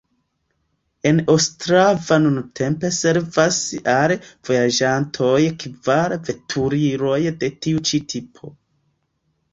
En Ostrava nuntempe servas al vojaĝantoj kvar veturiloj de tiu ĉi tipo.